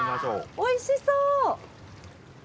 おいしそう！